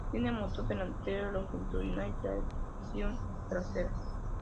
Tiene motor delantero longitudinal y tracción trasera.